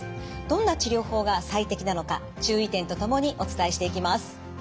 どんな治療法が最適なのか注意点とともにお伝えしていきます。